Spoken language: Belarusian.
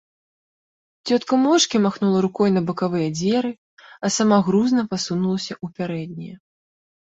Цётка моўчкі махнула рукой на бакавыя дзверы, а сама грузна пасунулася ў пярэднія.